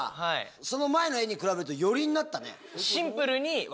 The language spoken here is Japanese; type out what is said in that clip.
その前の絵に比べると寄りになったね。